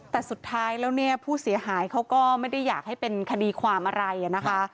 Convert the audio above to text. แต่สุดท้ายแล้วเนี่ยผู้เสียหายเขาก็ไม่ได้อยากให้เป็นคดีความอะไรนะคะ